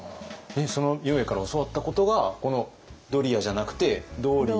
その明恵から教わったことがこのドリアじゃなくてドリ